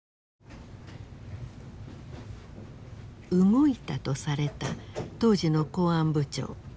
「動いた」とされた当時の公安部長。